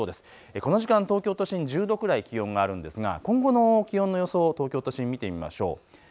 この時間、東京都心１０度くらい気温があるんですが今後の気温の予想を東京都心、見てみましょう。